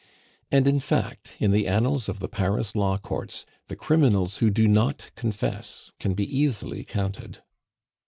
And, in fact, in the annals of the Paris law courts the criminals who do not confess can be easily counted.